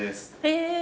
へえ。